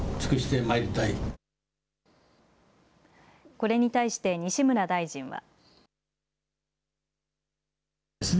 これに対して西村大臣は。